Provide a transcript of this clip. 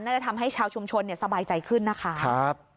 จะทำให้ชาวชุมชนสบายใจขึ้นนะคะ